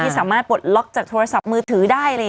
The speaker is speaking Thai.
สามารถปลดล็อกแต่ทุอร์ศัพท์มือถือได้